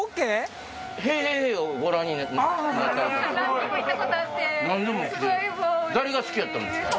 浜田が好きやったんですか！